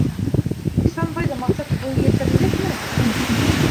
Ихсанбайҙың маҡсаты буй етерлекме?